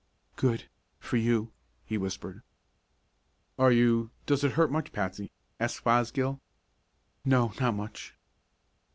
"Good for you," he whispered. "Are you does it hurt much, Patsy?" asked Fosgill. "No, not much."